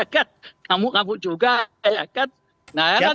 kamu ngabuk juga ya kan